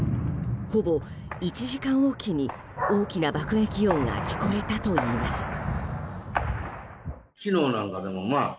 ほぼ１時間おきに大きな爆撃音が聞こえたといいます。